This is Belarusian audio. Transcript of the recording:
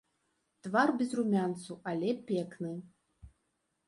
Твар без румянцу, але пекны.